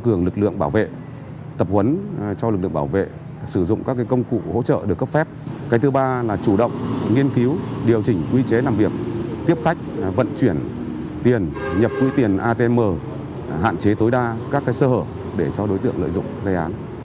cường lực lượng bảo vệ tập huấn cho lực lượng bảo vệ sử dụng các công cụ hỗ trợ được cấp phép cái thứ ba là chủ động nghiên cứu điều chỉnh quy chế làm việc tiếp khách vận chuyển tiền nhập quỹ tiền atm hạn chế tối đa các sơ hở để cho đối tượng lợi dụng gây án